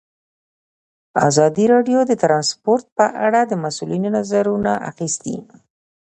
ازادي راډیو د ترانسپورټ په اړه د مسؤلینو نظرونه اخیستي.